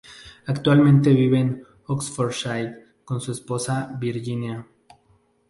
Actualmente vive en Oxfordshire con su esposa Virginia.